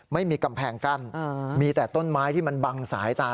ไม่มีกำแพงกั้นมีแต่ต้นไม้ที่มันบังสายตา